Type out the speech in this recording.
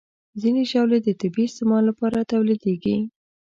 ځینې ژاولې د طبي استعمال لپاره تولیدېږي.